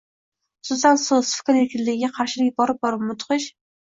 Xususan, so‘z, fikr erkinligiga qarshilik borib-borib mudhish